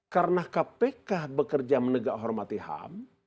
karena kpk bekerja menegak hormati ham